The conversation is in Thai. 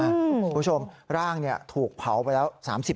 คุณผู้ชมร่างเนี่ยถูกเผาไปแล้ว